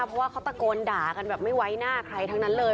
เพราะว่าเขาตะโกนด่ากันแบบไม่ไว้หน้าใครทั้งนั้นเลย